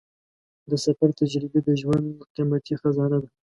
د سفر تجربې د ژوند قیمتي خزانه ده.